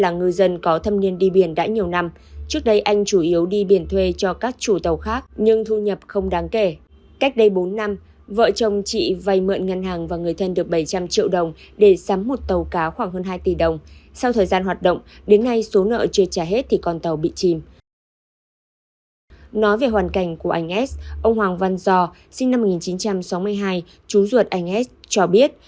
nói về hoàn cảnh của anh s ông hoàng văn gio sinh năm một nghìn chín trăm sáu mươi hai chú ruột anh s cho biết